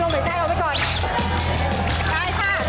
พ่อเรามีได้เอาไปก่อน